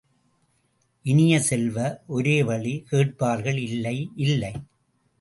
இனிய செல்வ, ஒரோவழி கேட்பர்கள் இல்லை, இல்லை!